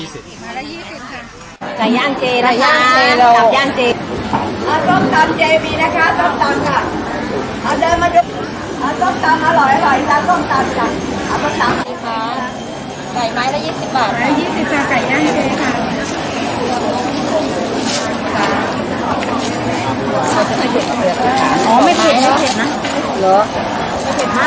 อ่าส้มตำอร่อยอร่อยส้มตำค่ะอ่าส้มตำอร่อยอร่อยไก่ไม้ละยี่สิบบาท